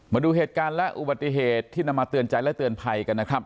มาดูเหตุการณ์และอุบัติเหตุที่นำมาเตือนใจและเตือนภัยกันนะครับ